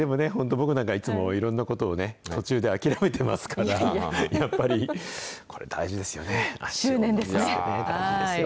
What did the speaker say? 僕なんか、いつも、いろんなことをね、途中で諦めてますから、やっぱり、こ執念ですね。